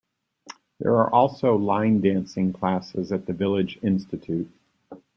There are also line dancing classes at the Village Institute.